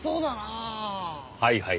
はいはい。